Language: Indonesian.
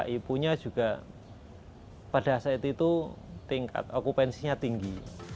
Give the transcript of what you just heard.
jadi kak ipunya juga pada saat itu tingkat okupansinya tinggi